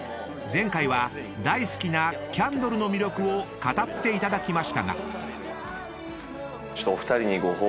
［前回は大好きなキャンドルの魅力を語っていただきましたが］